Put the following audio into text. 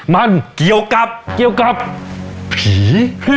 มันเกี่ยวกับผี